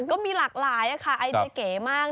ก็มีหลากหลายค่ะไอเดียเก๋มาก